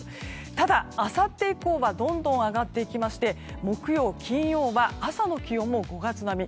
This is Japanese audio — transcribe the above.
ただ、あさって以降はどんどん上がっていきまして木曜、金曜は朝の気温も５月並み。